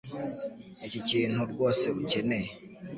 Iki nikintu rwose ukeneye.